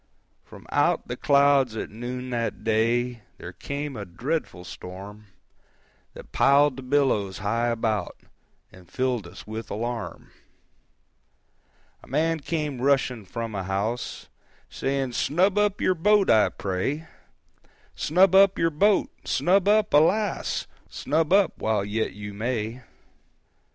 From out the clouds at noon that day There came a dreadful storm, That piled the billows high about, And filled us with alarm. A man came rushing from a house, Saying, 'Snub up your boat I pray, [The customary canal technicality for "tie up."] Snub up your boat, snub up, alas, Snub up while yet you may.